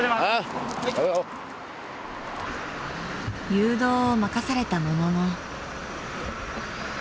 ［誘導を任されたものの］